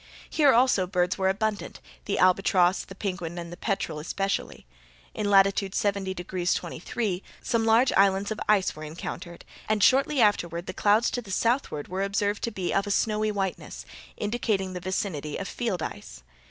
Here also birds were abundant; the albatross, the penguin, and the peterel especially. In latitude 70 degrees 23' some large islands of ice were encountered, and shortly afterward the clouds to the southward were observed to be of a snowy whiteness, indicating the vicinity of field ice.